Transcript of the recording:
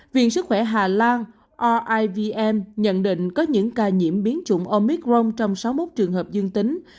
viện sức khỏe hà lan nhận định có những ca nhiễm biến chủng omicron trong sáu mươi một trường hợp dương tính